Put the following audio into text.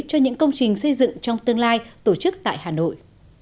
cho những công trình xây dựng trong tương lai tổ chức tại hà nội